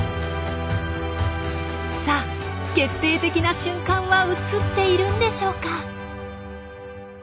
さあ決定的な瞬間は写っているんでしょうか？